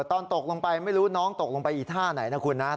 ตอนตกลงไปไม่รู้น้องตกลงไปอีท่าไหนนะคุณนะ